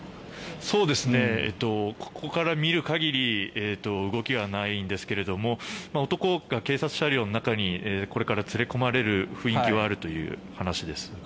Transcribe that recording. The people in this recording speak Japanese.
ここから見る限り動きはないんですが男が警察車両の中にこれから連れ込まれる雰囲気はあるという話です。